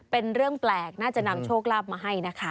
เป็นเรื่องแปลกน่าจะนำโชคลาภมาให้นะคะ